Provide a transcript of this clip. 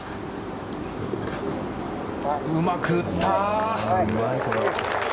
うまく打った。